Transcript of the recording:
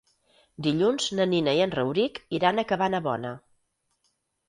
Dilluns na Nina i en Rauric iran a Cabanabona.